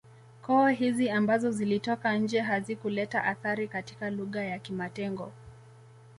Koo hizi ambazo zilitoka nje hazikuleta athari katika lugha ya kimatengo